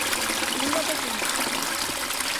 新潟県へ行く